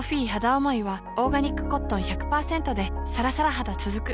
おもいはオーガニックコットン １００％ でさらさら肌つづく